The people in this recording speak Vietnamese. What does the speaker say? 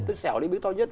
tôi xẻo cái miếng to nhất